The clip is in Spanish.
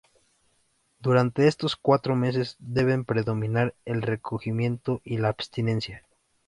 Durante estos cuatro meses deben predominar el recogimiento y la abstinencia.